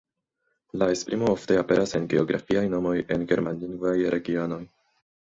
La esprimo ofte aperas en geografiaj nomoj en germanlingvaj regionoj.